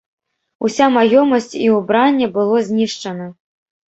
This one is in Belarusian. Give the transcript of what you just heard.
Уся маёмасць і ўбранне было знішчана.